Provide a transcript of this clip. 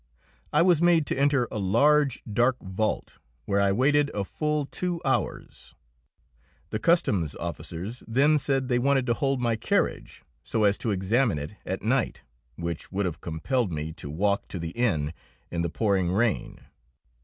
I was made to enter a large, dark vault, where I waited a full two hours. The customs officers then said they wanted to hold my carriage, so as to examine it at night, which would have compelled me to walk to the inn in the pouring rain.